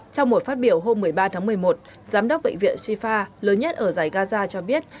trong một phát biểu hôm một mươi ba tháng một mươi một giám đốc bệnh viện shifa lớn nhất ở giải gaza cho biết